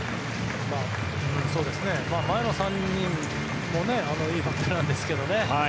前の３人もいいバッターなんですけどね